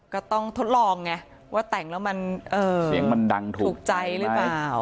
ก็ต้องทดลองไงว่าแต่งแล้วมันถูกใจหรือเปล่า